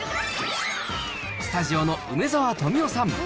スタジオの梅沢富美男さん。